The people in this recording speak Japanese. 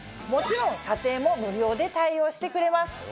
もちろん査定も無料で対応してくれます。